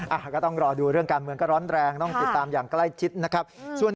ก็ต้องรอดูเรื่องการเมืองก็ร้อนแรงต้องติดตามอย่างใกล้ชิดนะครับ